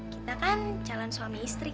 kita kan calon suami istri